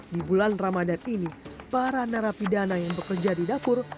di bulan ramadan ini para narapidana yang bekerja di dapur